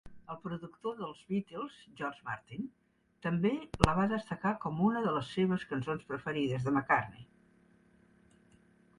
El productor dels Beatles, George Martin, també la va destacar com una de les seves cançons preferides de McCartney.